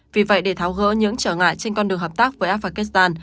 vì vậy để tháo gỡ những trở ngại trên con đường hợp tác với afghanistan